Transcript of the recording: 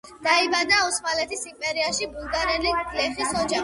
დაიბადა ოსმალეთის იმპერიაში, ბულგარელი გლეხის ოჯახში.